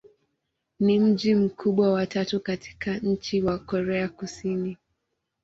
Ni mji mkubwa wa tatu katika nchi wa Korea Kusini.